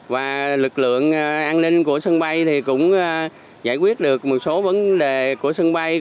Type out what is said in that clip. và lực lượng an ninh của sân bay thì cũng giải quyết được một số vấn đề của sân bay